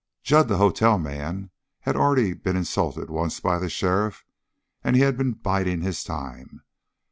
Jud, the hotel man, had already been insulted once by the sheriff, and he had been biding his time.